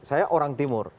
saya orang timur